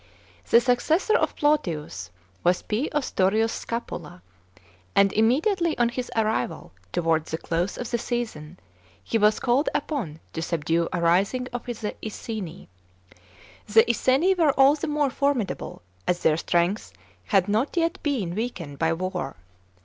§ 6. The successor of Plautius was P. Ostorius Scapula, and im mediately on his arrival, towards the close of the season, he was called upon to subdue a rising of the Idni. The Iceni wer ail the more formidable as their strength ha i not yet been weakened by war.